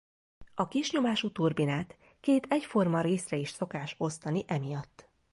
A kisnyomású turbinát két egyforma részre is szokás osztani emiatt.